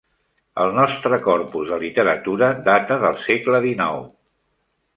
El nostre corpus de literatura data del segle XIX.